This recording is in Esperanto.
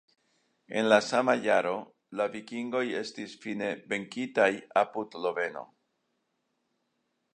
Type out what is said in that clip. En la sama jaro, la vikingoj estis fine venkitaj apud Loveno.